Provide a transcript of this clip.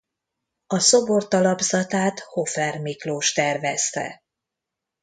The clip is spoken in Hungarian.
A szobor talapzatát Hofer Miklós tervezte.